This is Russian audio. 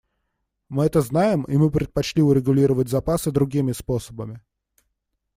Мы это знаем, и мы предпочли урегулировать запасы другими способами.